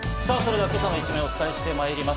今朝の一面をお伝えしてまいります。